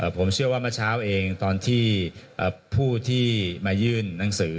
ผมเชื่อว่าเมื่อเช้าเองตอนที่ผู้ที่มายื่นหนังสือ